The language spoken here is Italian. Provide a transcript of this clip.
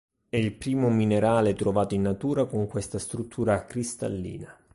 È il primo minerale trovato in natura con questa struttura cristallina.